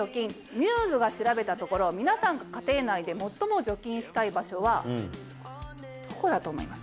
ミューズが調べたところ皆さんが家庭内で最も除菌したい場所はどこだと思います？